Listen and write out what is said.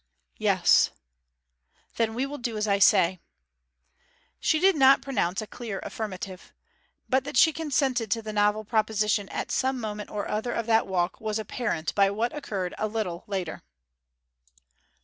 'Yes.' 'Then we will do as I say.' She did not pronounce a clear affirmative. But that she consented to the novel proposition at some moment or other of that walk was apparent by what occurred a little later.